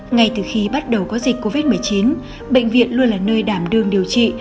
ngay từ khi bắt đầu có dịch covid một mươi chín bệnh viện luôn là nơi đảm đương điều trị